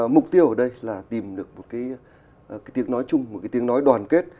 mục tiêu ở đây là tìm được một cái tiếng nói chung một cái tiếng nói đoàn kết